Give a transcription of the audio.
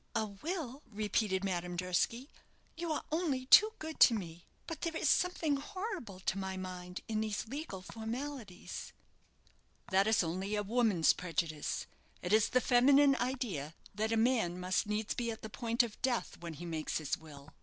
"A will!" repeated Madame Durski; "you are only too good to me. But there is something horrible to my mind in these legal formalities." "That is only a woman's prejudice. It is the feminine idea that a man must needs be at the point of death when he makes his will.